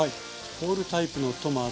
ホールタイプのトマト。